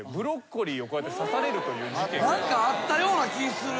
何かあったような気する。